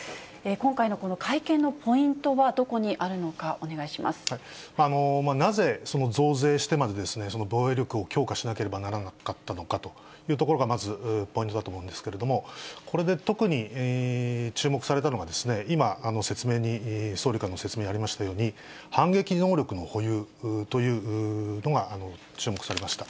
今回のこの会見のポイントはどこにあるのか、なぜ増税してまでですね、防衛力を強化しなければならなかったのかというところが、まずポイントだと思うんですけれども、これで特に注目されたのが、今、説明に、総理からの説明にありましたように、反撃能力の保有というのが注目されました。